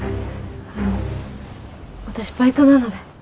あの私バイトなので。